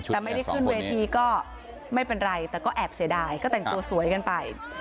แต่ไม่ได้ขึ้นเวทีก็ไม่เป็นไรแต่ก็แอบเสียดายก็แต่งตัวสวยกันไป